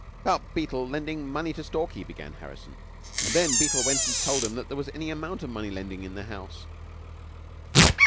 "About Beetle lendin' money to Stalky," began Harrison; "and then Beetle went and told him that there was any amount of money lendin' in the house."